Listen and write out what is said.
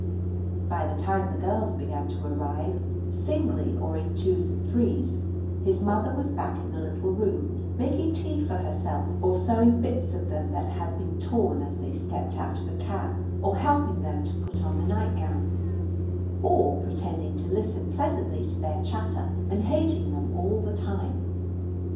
By the time the girls began to arrive, singly or in twos and threes, his mother was back in the little room, making tea for herself or sewing bits of them that had been torn as they stepped out of a cab, or helping them to put on the nightgowns, or pretending to listen pleasantly to their chatter and hating them all the time.